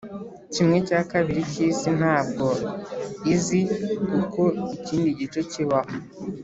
kimwe cya kabiri cyisi ntabwo izi uko ikindi gice kibaho